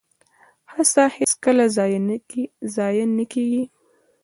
هڅه هیڅکله ضایع نه کیږي